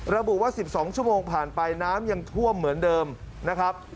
ระบุว่า๑๒ชั่วโมงผ่านไปน้ำยังท่วมเหมือนเดิมนะครับ